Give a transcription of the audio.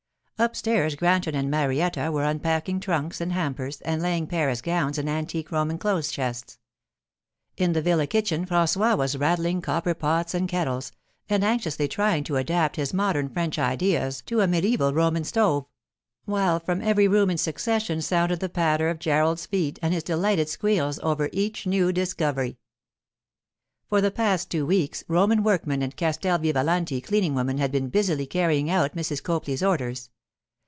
Upstairs Granton and Marietta were unpacking trunks and hampers and laying Paris gowns in antique Roman clothes chests; in the villa kitchen François was rattling copper pots and kettles, and anxiously trying to adapt his modern French ideas to a mediaeval Roman stove; while from every room in succession sounded the patter of Gerald's feet and his delighted squeals over each new discovery. For the past two weeks Roman workmen and Castel Vivalanti cleaning women had been busily carrying out Mrs. Copley's orders.